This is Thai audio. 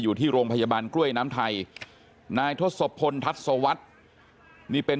อยู่ที่โรงพยาบาลกล้วยน้ำไทยนายทศพลทัศวรรษนี่เป็น